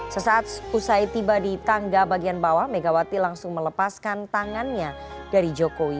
sesaat usai tiba di tangga bagian bawah megawati langsung melepaskan tangannya dari jokowi